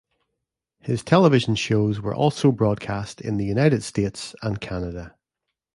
His television shows were also broadcast in the United States and Canada.